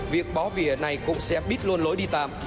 việc bó vỉa này cũng sẽ bít luôn lối đi tạm